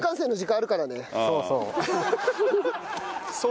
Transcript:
そうそう。